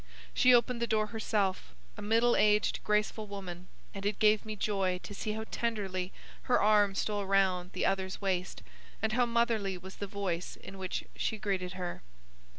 She opened the door herself, a middle aged, graceful woman, and it gave me joy to see how tenderly her arm stole round the other's waist and how motherly was the voice in which she greeted her.